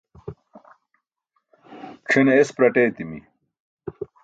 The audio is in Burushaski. c̣ʰen es praṭ eetimi